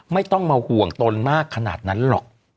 ไม่ต้องมาห่วงตนมากขนาดนั้นหรอก